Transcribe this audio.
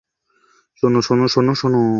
শোনো, শোনো, শোনো, শোনো।